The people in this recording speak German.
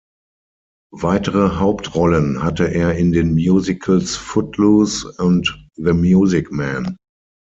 Weitere Hauptrollen hatte er in den Musicals "Footloose" und "The Music Man".